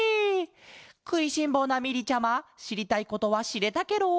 くいしんぼうなみりちゃましりたいことはしれたケロ？